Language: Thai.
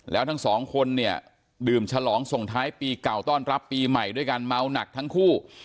แล้วทั้งสองคนเนี่ยดื่มฉลองส่งท้ายปีเก่าต้อนรับปีใหม่ด้วยการเมาหนักทั้งคู่